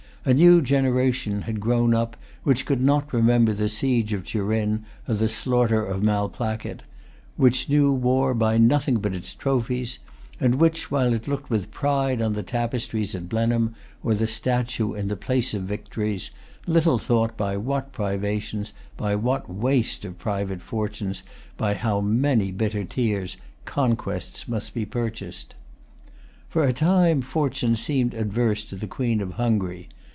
A new generation had grown up, which could not remember the siege of Turin or the slaughter of Malplaquet; which knew war[Pg 265] by nothing but its trophies; and which, while it looked with pride on the tapestries at Blenheim, or the statue in the Place of Victories, little thought by what privations, by what waste of private fortunes, by how many bitter tears, conquests must be purchased. For a time fortune seemed adverse to the Queen of Hungary.